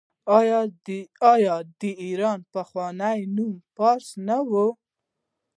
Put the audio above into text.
آیا د ایران پخوانی نوم فارس نه و؟